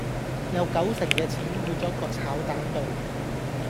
有九成嘅錢去咗個炒蛋度